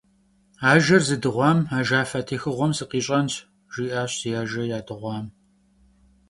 «Ajjer zıdığuam ajjafe têxığuem sıkhiş'enş», - jji'aş zi ajje yadığuam.